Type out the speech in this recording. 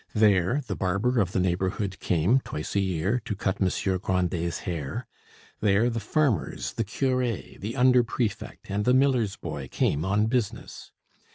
There the barber of the neighborhood came, twice a year, to cut Monsieur Grandet's hair; there the farmers, the cure, the under prefect, and the miller's boy came on business.